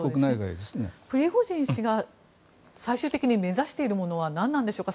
プリゴジン氏が最終的に目指しているものはなんなのでしょうか？